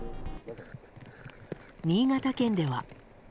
新潟県では。